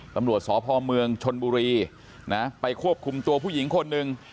ตำรวจสพเมืองชนบุรีนะไปควบคุมตัวผู้หญิงคนหนึ่ง